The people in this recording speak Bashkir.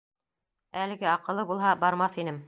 Әлеге аҡылы булһа, бармаҫ инем.